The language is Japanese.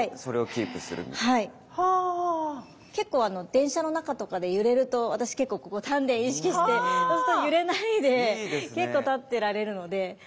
結構電車の中とかで揺れると私結構ここ丹田意識してそうすると揺れないで結構立ってられるので。